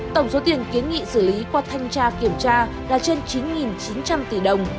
tổng số tiền kiến nghị xử lý qua thanh tra kiểm tra là trên chín chín trăm linh tỷ đồng